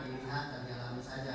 dilihat dan di alami saja